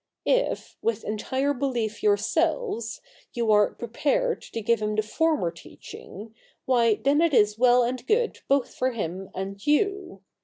If, with entire belief yourselves, you are prepared to give him the former teaching, why then it is well and good both for him and you.